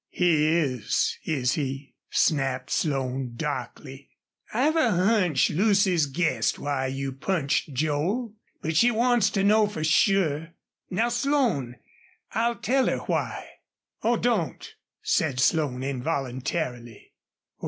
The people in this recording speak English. "He is, is he?" snapped Slone, darkly. "I've a hunch Lucy's guessed why you punched Joel. But she wants to know fer sure. Now, Slone, I'll tell her why." "Oh, don't!" said Slone, involuntarily.